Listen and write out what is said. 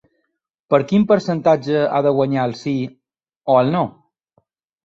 Per quin percentatge ha de guanyar el sí o el no?